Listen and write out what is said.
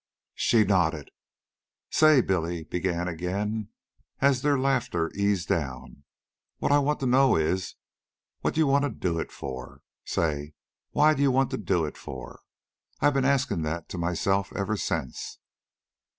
She nodded. "Say," Billy began again, as their laughter eased down, "what I wanta know is what'd you wanta do it for. Say, what'd you wanta do it for? I've been askin' that to myself ever since."